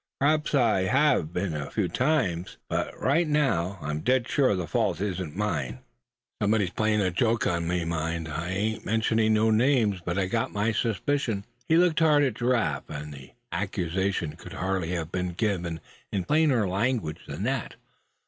P'raps I have been a few times; but right now I'm dead sure the fault ain't mine. Somebody's playing a joke on me. Mind, I ain't mentioning no names; but I've got my suspicions." He looked hard at Giraffe, and the accusation could hardly have been given in plainer language than that.